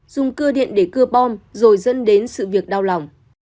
dùng cơ điện để cưa bom rồi dẫn đến sự việc đau lòng